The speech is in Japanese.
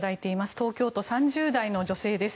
東京都、３０代の女性です。